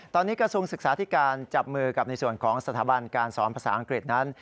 ตอนนี้กระทรวงศึกษาธิการจับมือกับในส่วนของสถาบันการสอนภาษาอังกฤษนั้น